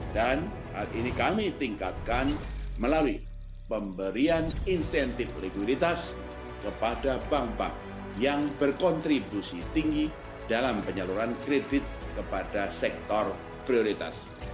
dan hal ini kami tingkatkan melalui pemberian insentif prioritas kepada bank bank yang berkontribusi tinggi dalam penyeluruhan kredit kepada sektor prioritas